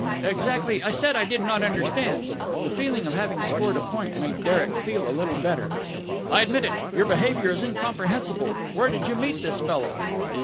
"Exactly! I said I did not understand." The feeling of having scored a point made Derek feel a little better. "I admit it. Your behaviour is incomprehensible. Where did you meet this fellow?"